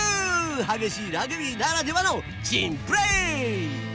激しいラグビーならではの珍プレー。